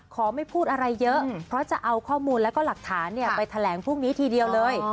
ไม่พูดอะไรเยอะเพราะจะเอาข้อมูลแล้วก็หลักฐานไปแถลงพรุ่งนี้ทีเดียวเลย